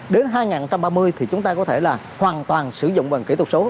đến hai nghìn ba mươi thì chúng ta có thể là hoàn toàn sử dụng bằng kỹ thuật số